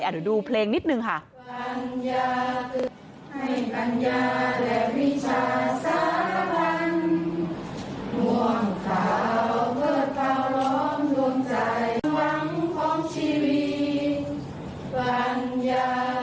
เดี๋ยวดูเพลงนิดนึงค่ะ